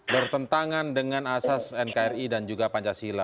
bertentangan dengan asas nkri dan juga pancasila